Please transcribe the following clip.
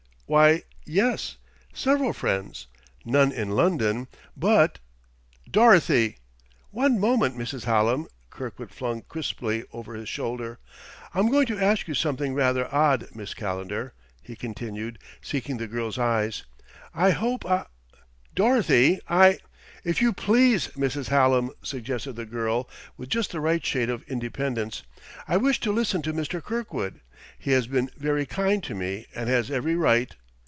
"Why yes; several friends; none in London, but " "Dorothy " "One moment, Mrs. Hallam," Kirkwood flung crisply over his shoulder. "I'm going to ask you something rather odd, Miss Calendar," he continued, seeking the girl's eyes. "I hope " "Dorothy, I " "If you please, Mrs. Hallam," suggested the girl, with just the right shade of independence. "I wish to listen to Mr. Kirkwood. He has been very kind to me and has every right...."